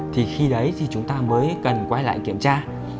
thì khi đấy thì chúng ta mới cần quay lại kiểm tra